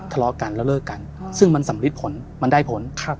ทะเลาะกันแล้วเลิกกันซึ่งมันสำลิดผลมันได้ผล